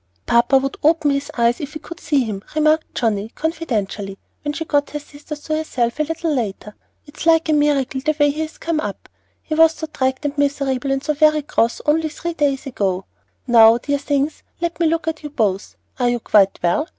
"Papa would open his eyes if he could see him," remarked Johnnie, confidentially, when she got her sisters to herself a little later. "It's like a miracle the way he has come up. He was so dragged and miserable and so very cross only three days ago. Now, you dear things, let me look at you both. Are you quite well?